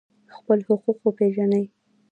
خپل حقوق وپیژنئ